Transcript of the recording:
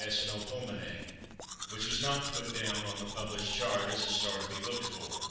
S. Melpomene, which was not put down on the published chart as a star to be looked for.